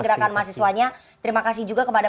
gerakan mahasiswanya terima kasih juga kepada